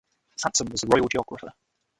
Sanson was royal geographer.